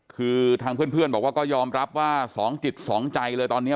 คือทางเพื่อนบอกว่าก็ยอมรับว่าสองจิตสองใจเลยตอนนี้